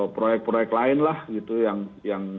proyek proyek lain lah gitu yang